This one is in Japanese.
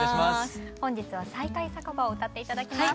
本日は「再会酒場」を歌って頂きます。